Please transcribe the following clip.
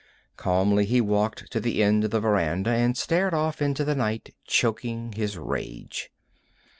Calmly he walked to the end of the veranda and stared off into the night, choking his rage.